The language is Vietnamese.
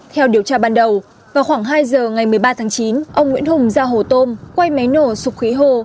theo điều tra ban đầu vào khoảng hai giờ ngày một mươi ba tháng chín ông nguyễn hùng ra hồ tôm quay máy nổ sụp khí hồ